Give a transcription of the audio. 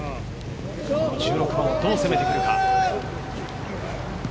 １６番をどう攻めてくるか？